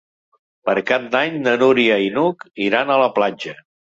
Per Cap d'Any na Núria i n'Hug iran a la platja.